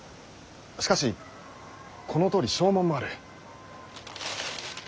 しかしこのとおり証文もある。